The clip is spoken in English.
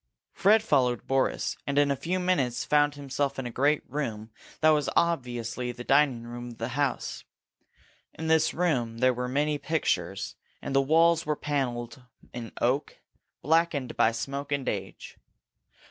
Fred followed Boris, and in a few minutes found himself in a great room that was obviously the dining room of the house. In this room there were many pictures, and the walls were panelled in oak, blackened by smoke and age.